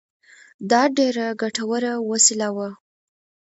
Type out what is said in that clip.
دا ډېره ګټوره وسیله وه